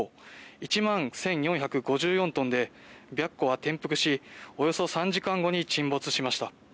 １万１４５４トンで「白虎」は転覆しおよそ３時間後に沈没しました。